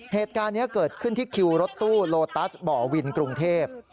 เหตุการณ์นี้เกิดขึ้นที่คิวรถตู้โลตัสบ่อวินกรุงเทพ